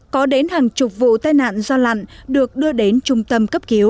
có đến hàng chục vụ tai nạn do lặn được đưa đến trung tâm